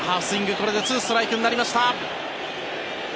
これで２ストライクになりました。